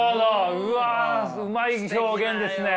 うわうまい表現ですね。